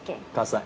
西。